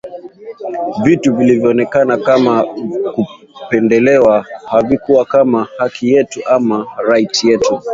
vitu tu vilionekana kama vya kupendelewa havikuwa kama ni haki yetu ama right yetu